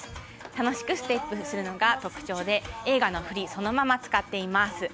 楽しくステップするのが特徴で映画の振りを使っています。